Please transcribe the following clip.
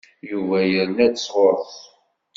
Yuba yerna-d sɣur-s.